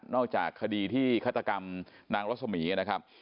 จากคดีที่ฆาตกรรมนางรสมีนะครับ